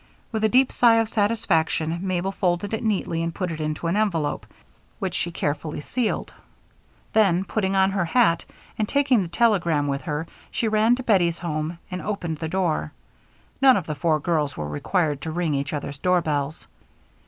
With a deep sigh of satisfaction, Mabel folded it neatly and put it into an envelope which she carefully sealed. Then, putting on her hat, and taking the telegram with her, she ran to Bettie's home and opened the door none of the four girls were required to ring each other's doorbells.